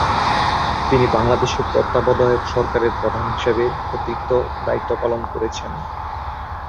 তিনি বাংলাদেশের তত্ত্বাবধায়ক সরকারের প্রধান হিসেবে অতিরিক্ত দায়িত্ব পালন করেছেন।